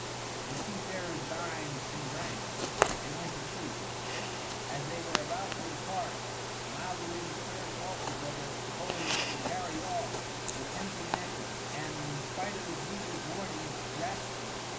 The seafarers dined and drank, then went to sleep. As they were about to depart, Maelduin's third foster brother proposed to carry off a tempting necklace, and in spite of his leader's warnings grasped it.